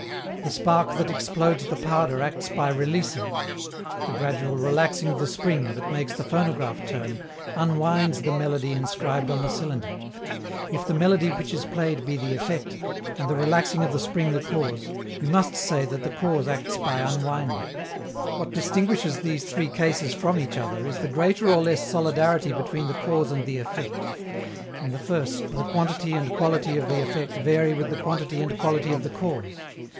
The spark that explodes the powder acts by releasing. The gradual relaxing of the spring, that makes the phonograph turn, unwinds the melody inscribed on the cylinder: if the melody which is played be the effect, and the relaxing of the spring the cause, we must say that the cause acts by unwinding. What distinguishes these three cases from each other is the greater or less solidarity between the cause and the effect. In the first, the quantity and quality of the effect vary with the quantity and quality of the cause.